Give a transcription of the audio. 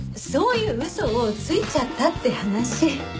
そういう嘘をついちゃったって話。